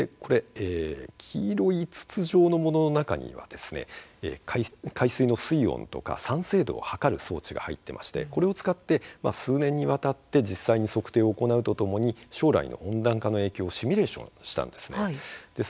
黄色い筒状のものの中には海水の水温とか酸性度を測る装置が入っていまして、これを使って、数年にわたって実際に測定を行うとともに将来の温暖化の影響をシミュレーションしたんです。